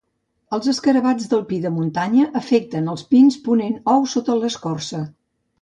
Els escarabats del pi de muntanya afecten els pins ponent ous sota l'escorça.